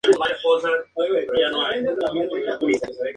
Dos tranvías están en el aeropuerto.